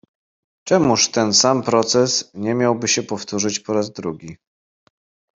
"Czemuż ten sam proces nie miałby się powtórzyć po raz drugi?"